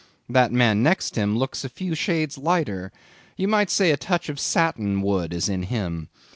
That man next him looks a few shades lighter; you might say a touch of satin wood is in him.